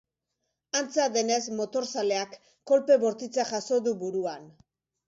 Antza denez, motorzaleak kolpe bortitza jaso du buruan.